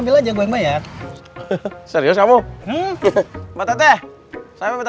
luar biasa ya